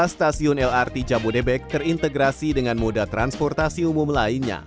delapan belas stasiun lrt cabodebek terintegrasi dengan moda transportasi umum lainnya